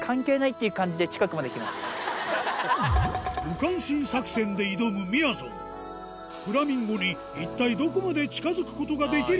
無関心作戦で挑むみやぞんフラミンゴに一体どこまで近づくことができるか？